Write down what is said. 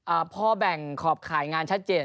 พ่อแบ่งขอบข่ายงานชัดเจน